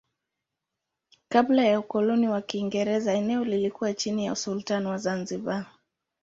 Kabla ya ukoloni wa Kiingereza eneo lilikuwa chini ya usultani wa Zanzibar.